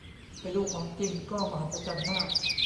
ไปดูของจริงก็มหัศจรรย์มาก